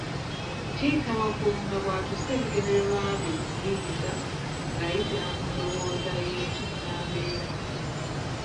Kiyitawaggulu nga bw’atuusa ebigendererwa bye ku muyiiyizwa ng’ayitira mu ndowooza y’Ekinnambeera: